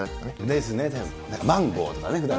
ですね、マンゴーとかね。